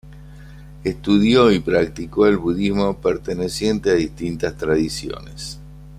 Estudió y practicó el budismo perteneciente a distintas tradiciones.